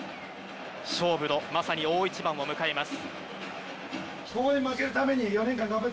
勝負のまさに大一番を迎えます。